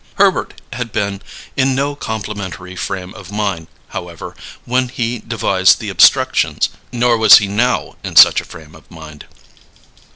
Herbert had been in no complimentary frame of mind, however, when he devised the obstructions, nor was he now in such a frame of mind.